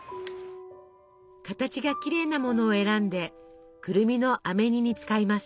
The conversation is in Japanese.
形がきれいなものを選んでくるみのあめ煮に使います。